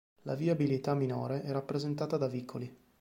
La viabilità minore è rappresentata da vicoli.